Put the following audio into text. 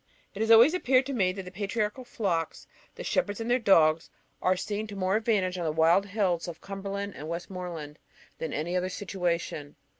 It has always appeared to me that the patriarchal flocks, the shepherds and their dogs, are seen to more advantage on the wild hills of Cumberland and Westmorland, than in any other situation.